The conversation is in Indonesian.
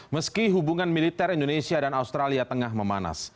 meski hubungan militer indonesia dan australia tengah memanas